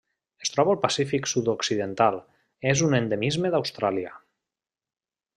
Es troba al Pacífic sud-occidental: és un endemisme d'Austràlia.